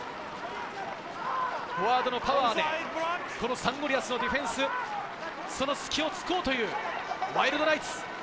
フォワードのパワーで、このサンゴリアスのディフェンス、その隙をつこうという、ワイルドナイツ。